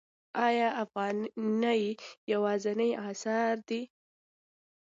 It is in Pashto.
آیا افغانۍ یوازینۍ اسعار ده؟